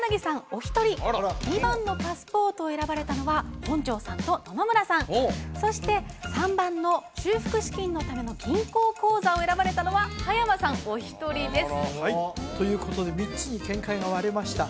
お一人２番のパスポートを選ばれたのは本上さんと野々村さんそして３番の修復資金のための銀行口座を選ばれたのは葉山さんお一人ですということで３つに見解が割れました